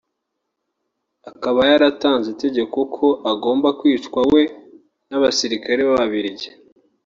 akaba yaratanze itegeko ko agomba kwicwa we n’abasirikari b’ababirigi